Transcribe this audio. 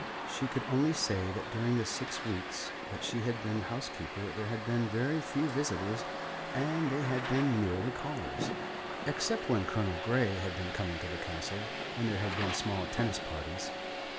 She could only say that during the six weeks that she had been housekeeper there had been very few visitors; and they had been merely callers, except when Colonel Grey had been coming to the Castle and there had been small tennis parties.